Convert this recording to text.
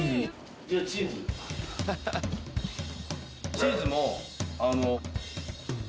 チーズも。